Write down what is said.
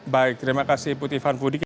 baik terima kasih puti van pudik